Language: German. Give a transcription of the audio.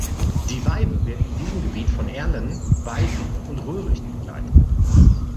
Die Weibe wird in diesem Gebiet von Erlen, Weiden und Röhricht begleitet.